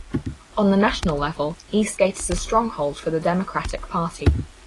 On the national level, Eastgate is a stronghold for the Democratic Party.